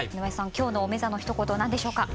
今日の「おめざ」のひと言は何でしょうか？